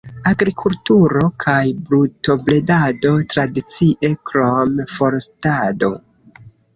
Agrikulturo kaj brutobredado tradicie, krom forstado.